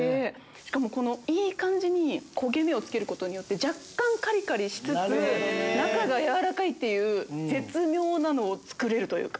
しかもいい感じに焦げ目をつけることによって若干カリカリしつつ中が軟らかいっていう絶妙なのを作れるというか。